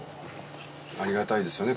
ありがたいですよね